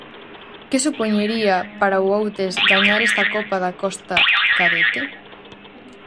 Que supoñería para o Outes gañar esta Copa da Costa cadete?